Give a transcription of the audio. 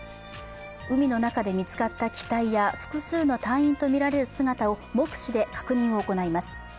海の中で見つかった機体や複数の隊員とみられる姿を目視で確認を行います。